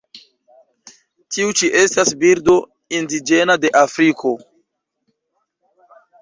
Tiu ĉi estas birdo indiĝena de Afriko.